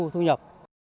cái thu nhập